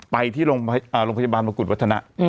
ไปที่โรงพยาบาลมงกุฎวัฒนะ